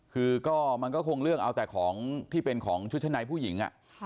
คือก็มันก็คงเรื่องเอาแต่ของที่เป็นของชุดชั้นในผู้หญิง